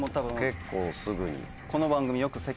結構すぐに。